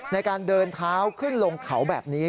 ในการเดินเท้าขึ้นลงเขาแบบนี้